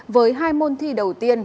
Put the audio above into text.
với hai môn thi đầu tiên